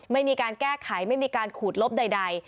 ไม่มีการแก้ไขไม่มีการขูดลบใด